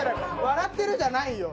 笑ってるじゃないよ。